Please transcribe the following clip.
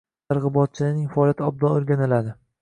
Targ‘ibotchilarning faoliyati obdon o‘rganiladi